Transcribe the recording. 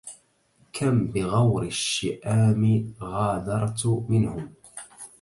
كم بغور الشآم غادرت منهم